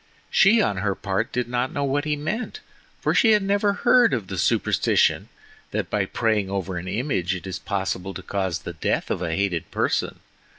She on her part did not know what he meant, for she had never heard of the superstition that by praying over an image it is possible to cause the death of a hated person.